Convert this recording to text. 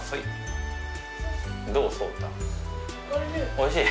おいしい？